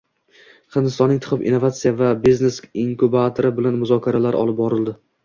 Hindistonning T-Hub – innovatsiya va biznes inkubatori bilan muzokaralar olib borilding